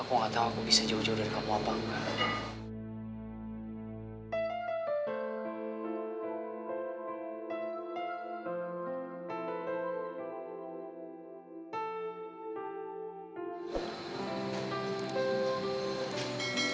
aku gak tau aku bisa jauh jauh dari kamu apa enggak